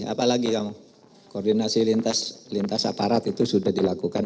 apalagi yang koordinasi lintas aparat itu sudah dilakukan